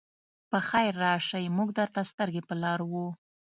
پخير راشئ! موږ درته سترګې په لار وو.